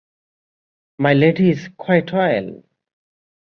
My Lady is quite well.